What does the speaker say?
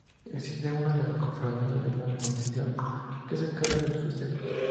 Existe una cofradía de regular organización, que se encarga de los festejos.